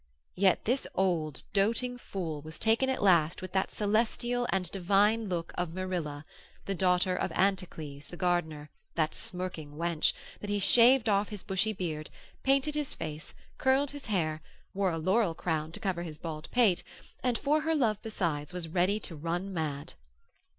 Yet this old doting fool was taken at last with that celestial and divine look of Myrilla, the daughter of Anticles the gardener, that smirking wench, that he shaved off his bushy beard, painted his face, curled his hair, wore a laurel crown to cover his bald pate, and for her love besides was ready to run mad.